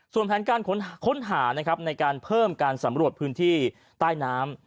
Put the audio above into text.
ส่วนแผนการค้นหานะครับในการเพิ่มการสำรวจพื้นที่ใต้น้ำ